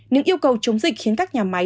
những yêu cầu chống dịch khiến các nhà máy